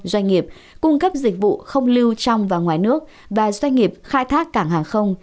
doanh nghiệp cung cấp dịch vụ không lưu trong và ngoài nước và doanh nghiệp khai thác cảng hàng không